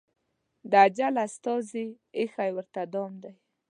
د اجل استازي ایښی ورته دام دی